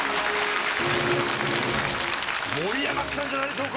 盛り上がってたんじゃないでしょうか？